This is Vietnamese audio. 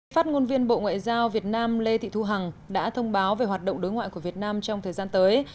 phát ngôn viên bộ ngoại giao việt nam lê thị thu hằng đã thông báo về hoạt động đối ngoại của việt nam trong thời gian tới